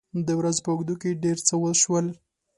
د ورځې په اوږدو کې ډېر څه وشول.